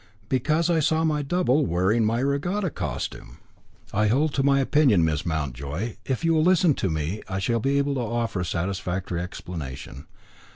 "Because I saw my double, wearing my regatta costume." "I hold to my opinion, Miss Mountjoy. If you will listen to me I shall be able to offer a satisfactory explanation.